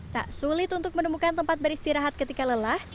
tak sulit untuk menemukan tempat beristirahat ketika lelah